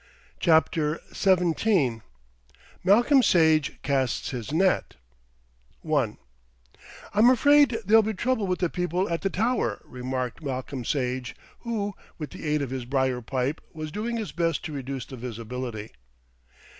CHAPTER XVII MALCOLM SAGE CASTS HIS NET I "I'm afraid there'll be trouble with the people at the Tower," remarked Malcolm Sage, who, with the aid of his briar pipe, was doing his best to reduce the visibility.